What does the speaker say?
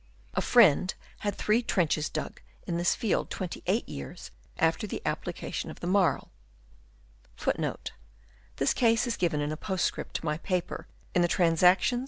A friend had three trenches dug in this field 28 years after the application of the marl,* * This case is given in a postscript to my paper in the ' Transact.